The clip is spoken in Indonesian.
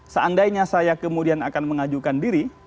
seandainya saya kemudian akan mengajukan diri